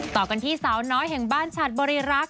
ต่อกันที่สาวน้อยแห่งบ้านฉัดบริรักษ์